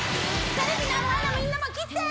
テレビの前のみんなも斬ってー！